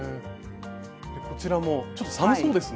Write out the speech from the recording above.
こちらもちょっと寒そうですね。